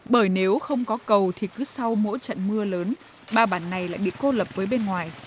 bởi nếu không có cầu thì cứ sau mỗi trận mưa lớn ba bản này lại bị cô lập với bên ngoài